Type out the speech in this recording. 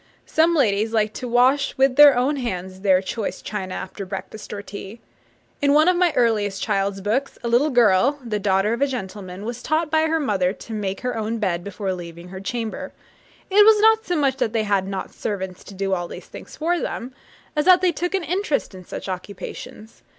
Some ladies liked to wash with their own hands their choice china after breakfast or tea. In one of my earliest child's books, a little girl, the daughter of a gentleman, is taught by her mother to make her own bed before leaving her chamber. It was not so much that they had not servants to do all these things for them, as that they took an interest in such occupations.